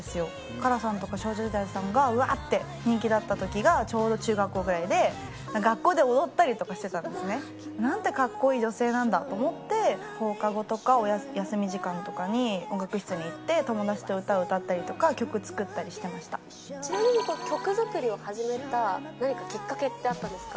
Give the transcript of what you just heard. ＫＡＲＡさんとか少女時代さんがうわーって人気だったときが、ちょうど中学校ぐらいで、学校で踊ったりとかしてたんですね。なんてかっこいい女性なんだと思って、放課後とか休み時間とかに、音楽室に行って、友達と歌を歌っちなみに、曲作りを始めた何がきっかけってあったんですか？